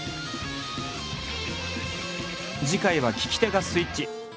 次回は聞き手がスイッチ。